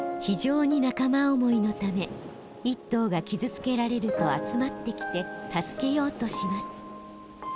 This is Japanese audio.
非常に仲間思いのため一頭が傷つけられると集まってきて助けようとします。